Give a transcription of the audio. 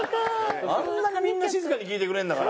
あんなにみんな静かに聴いてくれるんだから。